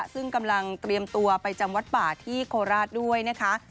ซึ่งกำลังเตรียมตัวไปจำวัดป่าที่โคราชด้วยนะคะ